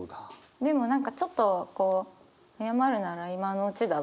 でも何かちょっと「謝るなら今のうちだぞ」